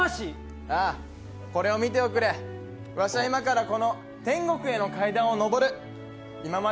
ああ、これを見ておくれ、わしは今からこの天国への階段を上る。